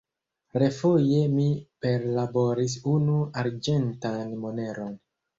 Refoje mi perlaboris unu arĝentan moneron.